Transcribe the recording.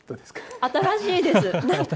新しいです。